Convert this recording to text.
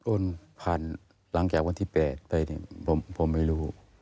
โอนผ่านหลังจากวันที่๘ไปผมไม่รู้